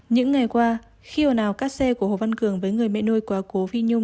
những ngày qua khi hồi nào các xe của hồ văn cường với người mẹ nôi quá cố phi nhung